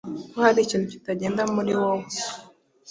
ko hari ikintu kitagenda muri wowe.